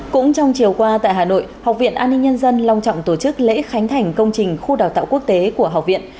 cũng trong chiều qua tại hà nội học viện an ninh nhân dân long trọng tổ chức lễ khánh thành công trình khu đào tạo quốc tế của học viện